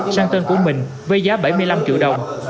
sang tên của mình với giá bảy mươi năm triệu đồng